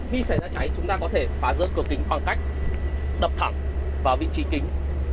khi xảy ra cháy chúng ta có thể phá rỡ cửa kính bằng cách đập thẳng vào vị trí kính